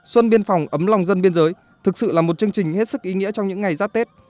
xuân biên phòng ấm lòng dân biên giới thực sự là một chương trình hết sức ý nghĩa trong những ngày giáp tết